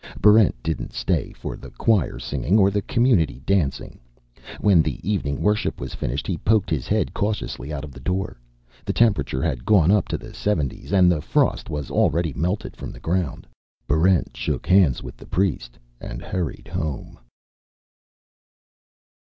Barrent didn't stay for the choir singing or the community dancing. When the evening worship was finished, he poked his head cautiously out the door. The temperature had gone up to the seventies, and the frost was already melted from the ground. Barrent shook hands with the priest and hurried home.